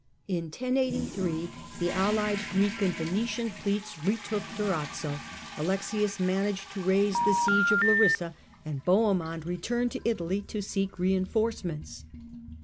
In 1083 the allied Greek and Venetian fleets retook Durazzo, Alexius managed to raise the siege of Larissa, and Bohemond returned to Italy to seek reinforcements.